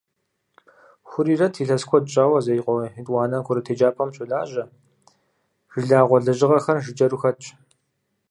Хурирэт илъэс куэд щӏауэ Зеикъуэ етӏуанэ курыт еджапӏэи щолажьэ, жылагъуэ лэжьыгъэхэм жыджэру хэтщ.